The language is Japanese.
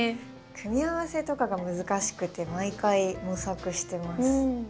組み合わせとかが難しくて毎回模索してます。